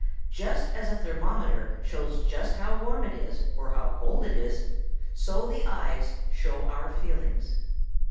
Just as a thermometer shows just how warm it is or how cold it is, so the eyes show our feelings.